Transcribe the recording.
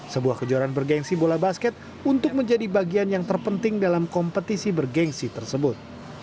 sebuah kejuaraan bergensi bola basket untuk menjadi bagian yang terpenting dalam kompetisi bergensi tersebut